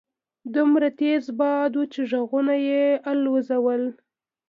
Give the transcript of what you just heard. دومره تېز باد وو چې غوږونه يې الوځول.